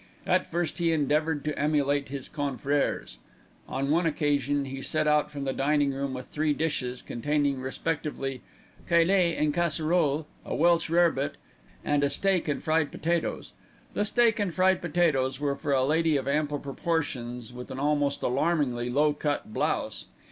At first he endeavoured to emulate his confrères. On one occasion he set out from the dining room with three dishes containing respectively "caille en casserole," a Welsh rarebit, and a steak and fried potatoes. The steak and fried potatoes were for a lady of ample proportions with an almost alarmingly low cut blouse.